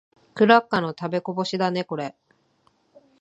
クラッカーの食べこぼしだね、これ。